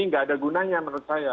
nggak ada gunanya menurut saya